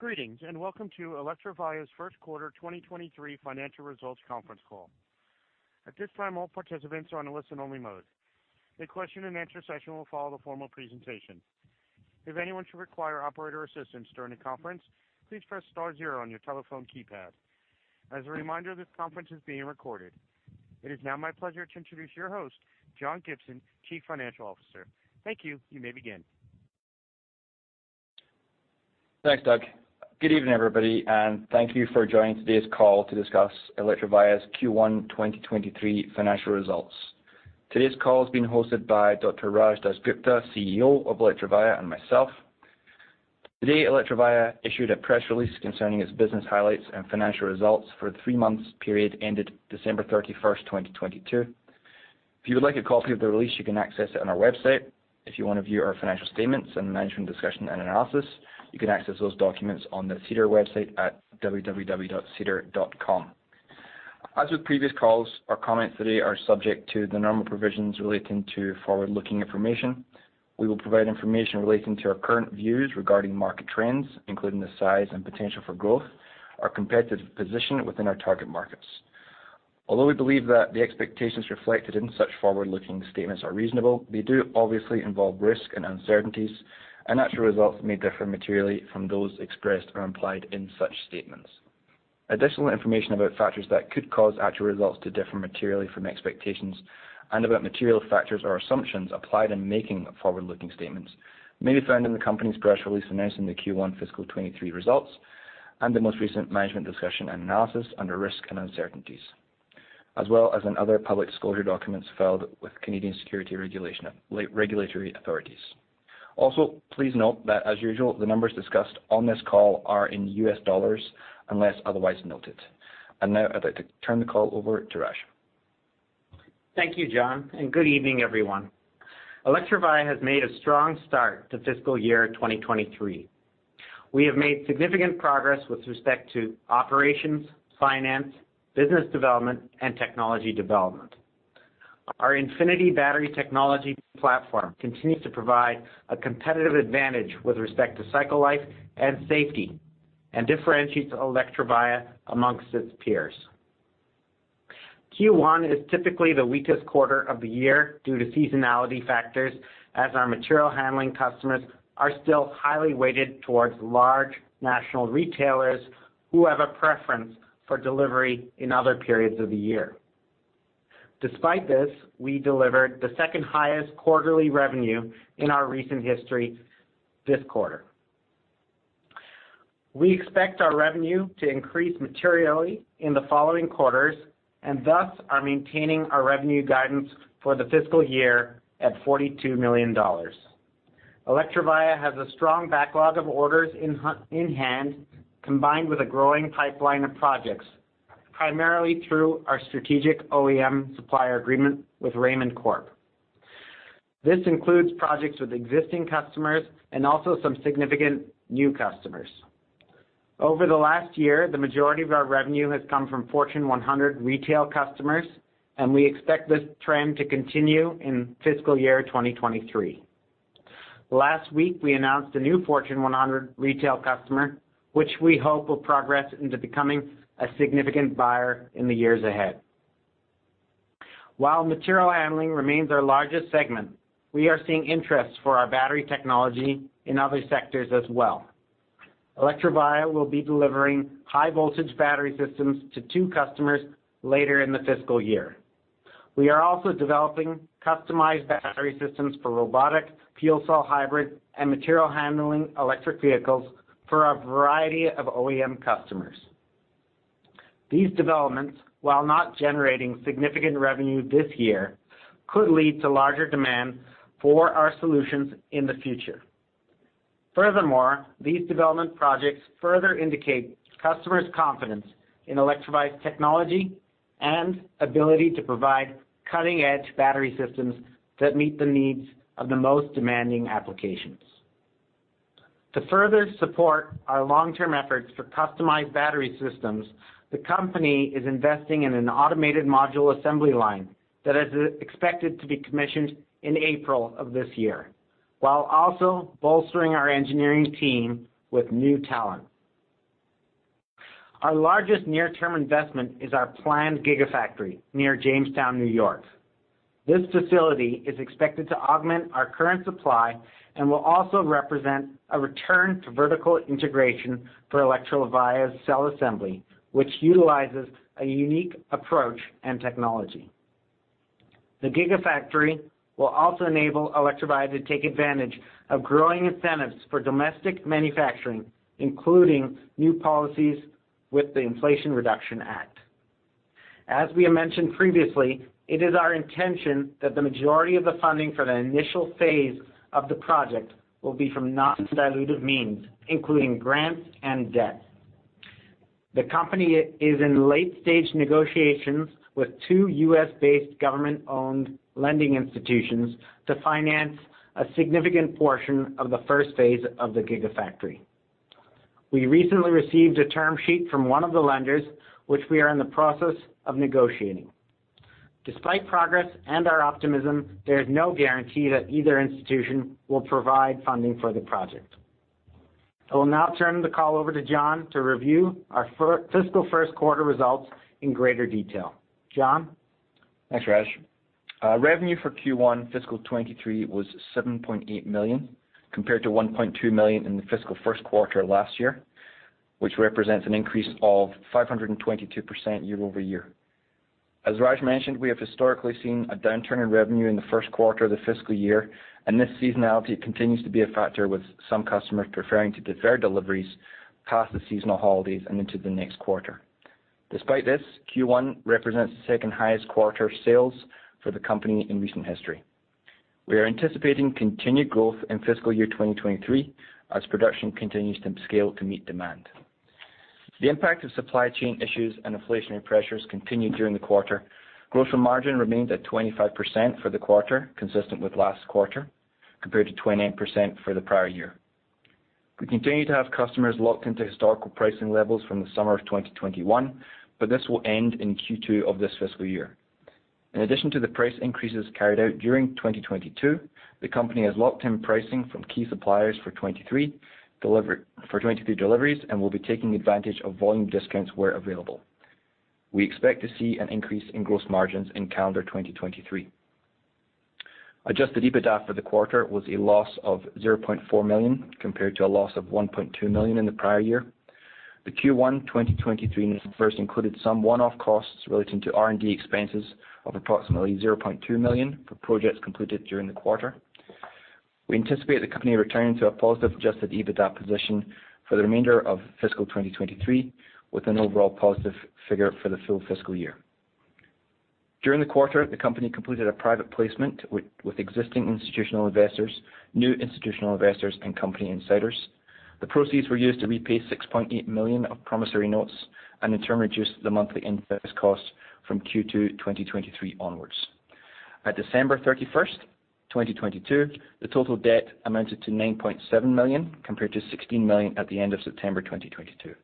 Greetings, and welcome to Electrovaya's Q1 2023 Financial Results Conference Call. At this time, all participants are on a listen-only mode. A question and answer session will follow the formal presentation. If anyone should require operator assistance during the conference, please press star zero on your telephone keypad. As a reminder, this conference is being recorded. It is now my pleasure to introduce your host, John Gibson, Chief Financial Officer. Thank you. You may begin. Thanks, Doug. Good evening, everybody, and thank you for joining today's call to discuss Electrovaya's Q1 2023 financial results. Today's call is being hosted by Dr. Raj DasGupta, CEO of Electrovaya, and myself. Today, Electrovaya issued a press release concerning its business highlights and financial results for the three months period ended December 31st, 2022. If you would like a copy of the release, you can access it on our website. If you wanna view our financial statements and management discussion and analysis, you can access those documents on the SEDAR website at www.sedar.com. As with previous calls, our comments today are subject to the normal provisions relating to forward-looking information. We will provide information relating to our current views regarding market trends, including the size and potential for growth, our competitive position within our target markets. Although we believe that the expectations reflected in such forward-looking statements are reasonable, they do obviously involve risk and uncertainties, and actual results may differ materially from those expressed or implied in such statements. Additional information about factors that could cause actual results to differ materially from expectations and about material factors or assumptions applied in making forward-looking statements may be found in the company's press release announcing the Q1 fiscal 23 results, and the most recent management discussion and analysis under risk and uncertainties, as well as in other public disclosure documents filed with Canadian security regulatory authorities. Also, please note that, as usual, the numbers discussed on this call are in US dollars unless otherwise noted. Now I'd like to turn the call over to Raj. Thank you, John, and good evening, everyone. Electrovaya has made a strong start to fiscal year 2023. We have made significant progress with respect to operations, finance, business development, and technology development. Our Infinity battery technology platform continues to provide a competitive advantage with respect to cycle life and safety and differentiates Electrovaya amongst its peers. Q1 is typically the weakest quarter of the year due to seasonality factors, as our material handling customers are still highly weighted towards large national retailers who have a preference for delivery in other periods of the year. Despite this, we delivered the second highest quarterly revenue in our recent history this quarter. We expect our revenue to increase materially in the following quarters, and thus are maintaining our revenue guidance for the fiscal year at $42 million. Electrovaya has a strong backlog of orders in hand, combined with a growing pipeline of projects, primarily through our strategic OEM supplier agreement with Raymond Corp. This includes projects with existing customers and also some significant new customers. Over the last year, the majority of our revenue has come from Fortune 100 retail customers. We expect this trend to continue in fiscal year 2023. Last week, we announced a new Fortune 100 retail customer, which we hope will progress into becoming a significant buyer in the years ahead. While material handling remains our largest segment, we are seeing interest for our battery technology in other sectors as well. Electrovaya will be delivering high voltage battery systems to two customers later in the fiscal year. We are also developing customized battery systems for robotic, fuel cell hybrid, and material handling electric vehicles for a variety of OEM customers. These developments, while not generating significant revenue this year, could lead to larger demand for our solutions in the future. Furthermore, these development projects further indicate customers' confidence in Electrovaya's technology and ability to provide cutting-edge battery systems that meet the needs of the most demanding applications. To further support our long-term efforts for customized battery systems, the company is investing in an automated module assembly line that is expected to be commissioned in April of this year, while also bolstering our engineering team with new talent. Our largest near-term investment is our planned Gigafactory near Jamestown, New York. This facility is expected to augment our current supply and will also represent a return to vertical integration for Electrovaya's cell assembly, which utilizes a unique approach and technology. The Gigafactory will also enable Electrovaya to take advantage of growing incentives for domestic manufacturing, including new policies with the Inflation Reduction Act. As we have mentioned previously, it is our intention that the majority of the funding for the initial phase of the project will be from non-dilutive means, including grants and debt. The company is in late-stage negotiations with two U.S.-based government-owned lending institutions to finance a significant portion of the first phase of the Gigafactory. We recently received a term sheet from one of the lenders, which we are in the process of negotiating. Despite progress and our optimism, there is no guarantee that either institution will provide funding for the project. I will now turn the call over to John to review our fiscal first quarter results in greater detail. John? Thanks, Raj. Revenue for Q1 fiscal 2023 was $7.8 million, compared to $1.2 million in the fiscal Q1 last year, which represents an increase of 522% year-over-year. As Raj mentioned, we have historically seen a downturn in revenue in the Q1 of the fiscal year, this seasonality continues to be a factor with some customers preferring to defer deliveries past the seasonal holidays and into the next quarter. Despite this, Q1 represents the second highest quarter sales for the company in recent history. We are anticipating continued growth in fiscal year 2023 as production continues to scale to meet demand. The impact of supply chain issues and inflationary pressures continued during the quarter. Gross margin remained at 25% for the quarter, consistent with last quarter, compared to 28% for the prior year. We continue to have customers locked into historical pricing levels from the summer of 2021, this will end in Q2 of this fiscal year. In addition to the price increases carried out during 2022, the company has locked in pricing from key suppliers for 2023 deliveries and will be taking advantage of volume discounts where available. We expect to see an increase in gross margins in calendar 2023. Adjusted EBITDA for the quarter was a loss of $0.4 million compared to a loss of $1.2 million in the prior year. The Q1 2023 first included some one-off costs relating to R&D expenses of approximately $0.2 million for projects completed during the quarter. We anticipate the company returning to a positive adjusted EBITDA position for the remainder of fiscal 2023, with an overall positive figure for the full fiscal year. During the quarter, the company completed a private placement with existing institutional investors, new institutional investors, and company insiders. The proceeds were used to repay $6.8 million of promissory notes and in turn reduced the monthly interest costs from Q2 2023 onwards. At December 31st, 2022, the total debt amounted to $9.7 million, compared to $16 million at the end of September 2022.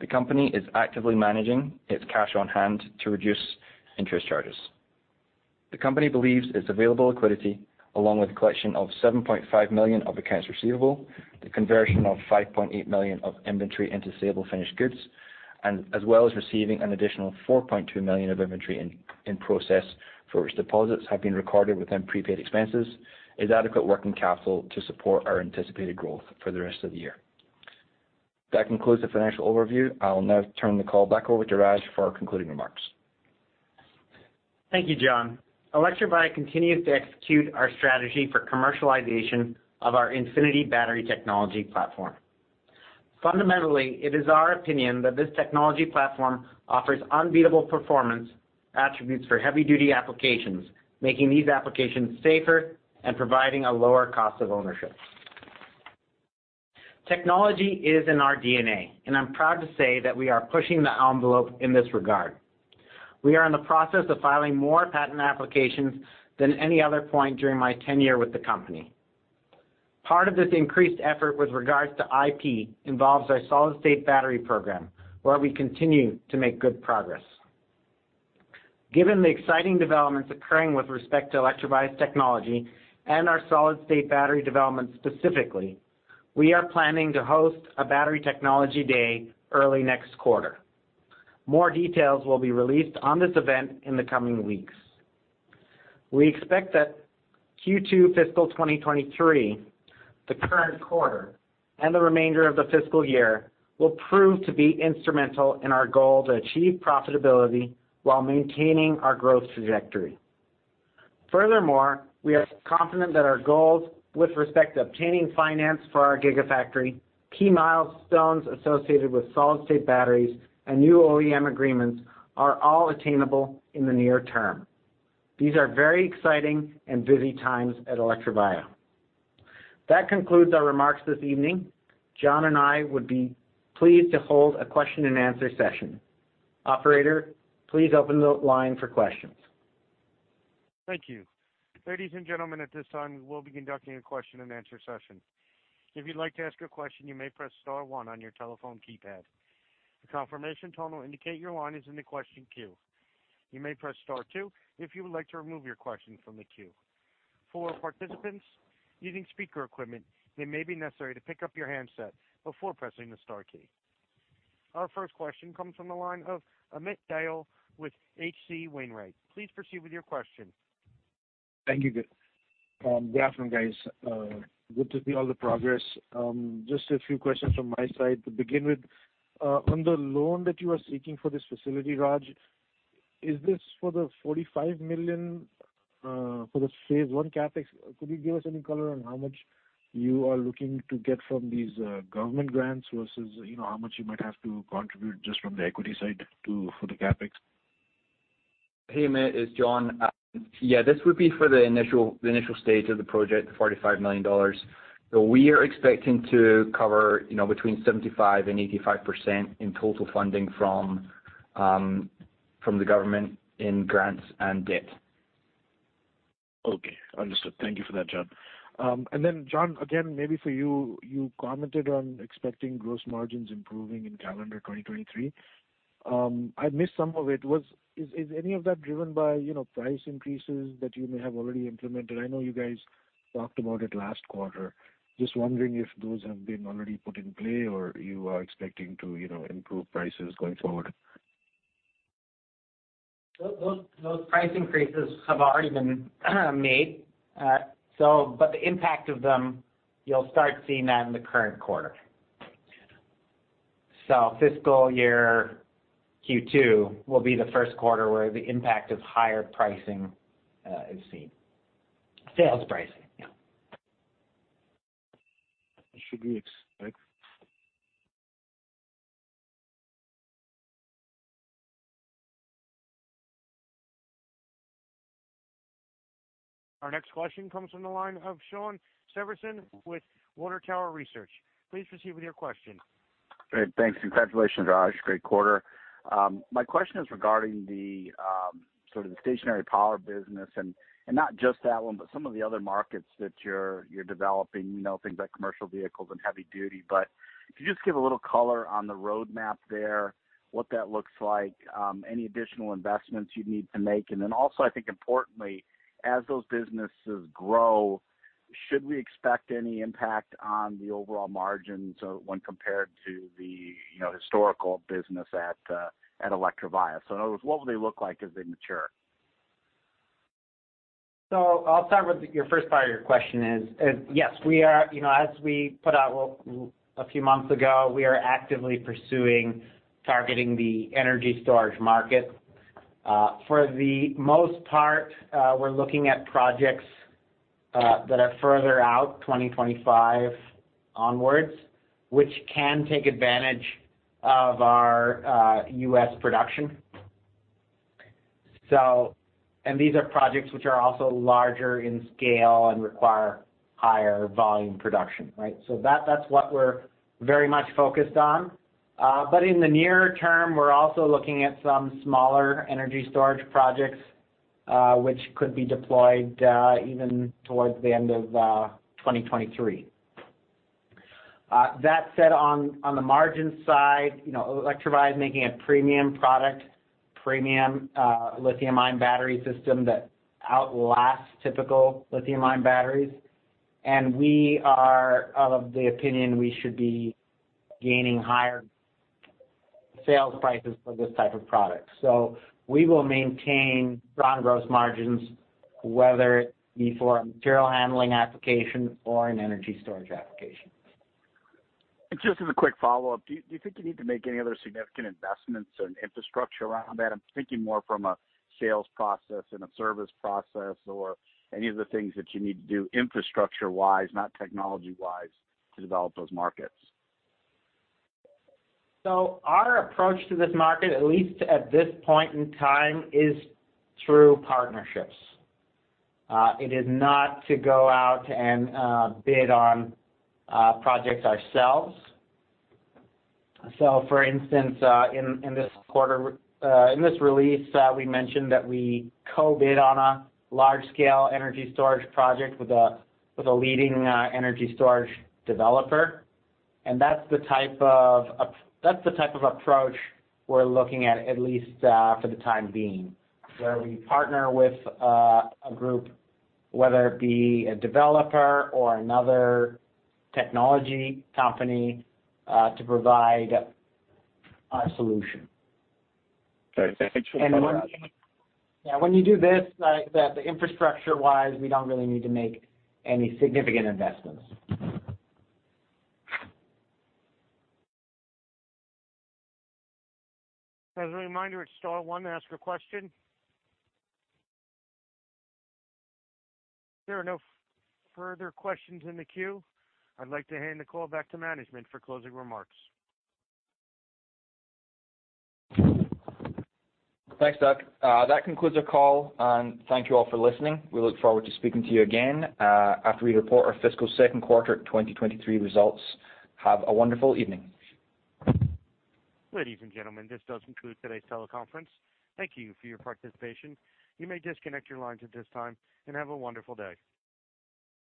The company is actively managing its cash on hand to reduce interest charges. The company believes its available liquidity, along with collection of $7.5 million of accounts receivable, the conversion of $5.8 million of inventory into saleable finished goods, and as well as receiving an additional $4.2 million of inventory in process for which deposits have been recorded within prepaid expenses, is adequate working capital to support our anticipated growth for the rest of the year. That concludes the financial overview. I will now turn the call back over to Raj for concluding remarks. Thank you, John. Electrovaya continues to execute our strategy for commercialization of our Infinity battery technology platform. Fundamentally, it is our opinion that this technology platform offers unbeatable performance attributes for heavy duty applications, making these applications safer and providing a lower cost of ownership. Technology is in our DNA, and I'm proud to say that we are pushing the envelope in this regard. We are in the process of filing more patent applications than any other point during my tenure with the company. Part of this increased effort with regards to IP involves our solid-state battery program, where we continue to make good progress. Given the exciting developments occurring with respect to Electrovaya's technology and our solid-state battery development specifically, we are planning to host a battery technology day early next quarter. More details will be released on this event in the coming weeks. We expect that Q2 fiscal 2023, the current quarter, and the remainder of the fiscal year will prove to be instrumental in our goal to achieve profitability while maintaining our growth trajectory. Furthermore, we are confident that our goals with respect to obtaining finance for our Gigafactory, key milestones associated with solid-state batteries, and new OEM agreements are all attainable in the near term. These are very exciting and busy times at Electrovaya. That concludes our remarks this evening. John and I would be pleased to hold a question and answer session. Operator, please open the line for questions. Thank you. Ladies and gentlemen, at this time, we will be conducting a question and answer session. If you'd like to ask a question, you may press star one on your telephone keypad. A confirmation tone will indicate your line is in the question queue. You may press star two if you would like to remove your question from the queue. For participants using speaker equipment, it may be necessary to pick up your handset before pressing the star key. Our first question comes from the line of Amit Dayal with H.C. Wainwright. Please proceed with your question. Thank you. Good afternoon, guys. Good to see all the progress. Just a few questions from my side to begin with. On the loan that you are seeking for this facility, Raj, is this for the $45 million for the phase I CapEx? Could you give us any color on how much you are looking to get from these government grants versus, you know, how much you might have to contribute just from the equity side for the CapEx? Hey, Amit. It's John. Yeah, this would be for the initial stage of the project, the $45 million. We are expecting to cover, you know, between 75% and 85% in total funding from the government in grants and debt. Okay. Understood. Thank you for that, John. John, again, maybe for you commented on expecting gross margins improving in calendar 2023. I missed some of it. Is any of that driven by, you know, price increases that you may have already implemented? I know you guys talked about it last quarter. Just wondering if those have been already put in play or you are expecting to, you know, improve prices going forward. Those price increases have already been made. But the impact of them, you'll start seeing that in the current quarter. Fiscal year Q2 will be the Q1 where the impact of higher pricing is seen. Sales pricing, yeah. Should we expect- Our next question comes from the line of Shawn Severson with Water Tower Research. Please proceed with your question. Great. Thanks, and congratulations, Raj. Great quarter. My question is regarding the sort of the stationary power business and not just that one, but some of the other markets that you're developing, you know, things like commercial vehicles and heavy duty. If you just give a little color on the roadmap there, what that looks like, any additional investments you'd need to make. I think importantly, as those businesses grow, should we expect any impact on the overall margins when compared to the, you know, historical business at Electrovaya? In other words, what will they look like as they mature? I'll start with your first part of your question is yes, we are, you know, as we put out a few months ago, we are actively pursuing targeting the energy storage market. For the most part, we're looking at projects that are further out, 2025 onwards, which can take advantage of our U.S. production. These are projects which are also larger in scale and require higher volume production, right? That's what we're very much focused on. In the near term, we're also looking at some smaller energy storage projects, which could be deployed even towards the end of 2023. That said, on the margin side, you know Electrovaya is making a premium product, premium lithium-ion battery system that outlasts typical lithium-ion batteries. We are of the opinion we should be gaining higher sales prices for this type of product. We will maintain strong gross margins, whether it be for a material handling application or an energy storage application. Just as a quick follow-up, do you think you need to make any other significant investments in infrastructure around that? I'm thinking more from a sales process and a service process or any of the things that you need to do infrastructure-wise, not technology-wise, to develop those markets. Our approach to this market, at least at this point in time, is through partnerships. It is not to go out and bid on projects ourselves. For instance, in this release, we mentioned that we co-bid on a large-scale energy storage project with a leading energy storage developer. That's the type of approach we're looking at least, for the time being, where we partner with a group, whether it be a developer or another technology company, to provide a solution. Great. Thanks for clearing that up. Yeah, when you do this, like the infrastructure-wise, we don't really need to make any significant investments. As a reminder, it's star one, ask a question. There are no further questions in the queue. I'd like to hand the call back to management for closing remarks. Thanks, Doug. That concludes our call, and thank you all for listening. We look forward to speaking to you again, after we report our fiscal Q2 2023 results. Have a wonderful evening. Ladies and gentlemen, this does conclude today's teleconference. Thank you for your participation. You may disconnect your lines at this time, and have a wonderful day.